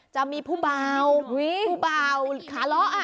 จะมีผู้เบาผู้เบาขาล้อ